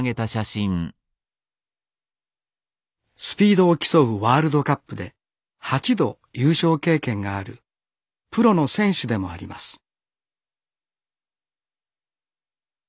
スピードを競うワールドカップで８度優勝経験があるプロの選手でもあります